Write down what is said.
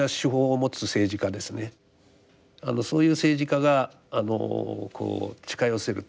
そういう政治家があのこう近寄せると。